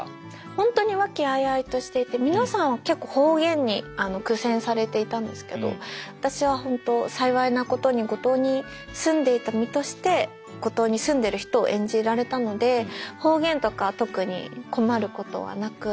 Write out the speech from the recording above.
ホントに和気あいあいとしていて皆さん結構方言に苦戦されていたんですけど私はホント幸いなことに五島に住んでいた身として五島に住んでる人を演じられたので方言とか特に困ることはなく。